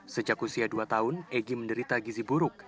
sejak usia dua tahun egy menderita gizi buruk